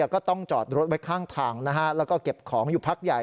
ก็ต้องจอดรถไว้ข้างทางแล้วก็เก็บของอยู่พักใหญ่